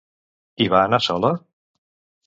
Hi va anar sola?